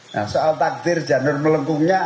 nah soal takdir janur melengkungnya